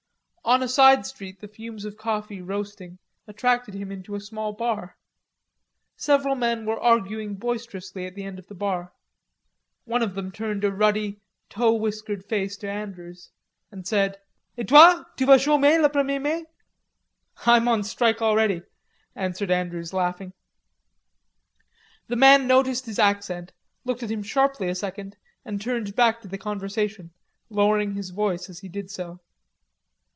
On a side street the fumes of coffee roasting attracted him into a small bar. Several men were arguing boisterously at the end of the bar. One of them turned a ruddy, tow whiskered face to Andrews, and said: "Et toi, tu vas chomer le premier mai?" "I'm on strike already," answered Andrews laughing. The man noticed his accent, looked at him sharply a second, and turned back to the conversation, lowering his voice as he did so.